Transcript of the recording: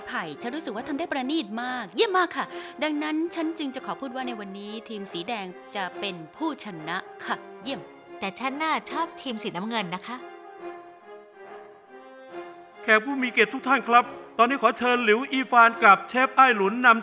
ปัญหาเรื่องปลามันไม่ได้แก้กันง่ายเลยค่ะแล้วจุดข้าวเหนียวก็เกิดปัญหา